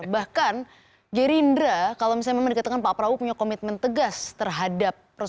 bahkan gerindra kalau misalnya memang dikatakan pak prabowo punya komitmen tegas terhadap